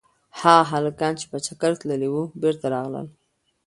هغه هلکان چې په چکر تللي وو بېرته راغلل.